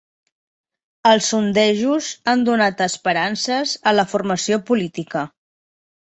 Els sondejos han donat esperances a la formació política